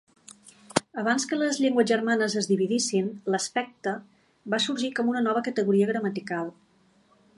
Abans que les llengües germanes es dividissin, l""aspecte" va sorgir com una nova categoria gramatical.